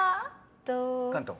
関東。